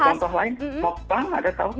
kalau contoh lain mukbang ada tau kan